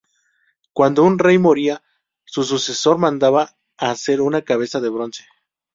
Cuando un rey moría, su sucesor mandaba hacer una cabeza de bronce.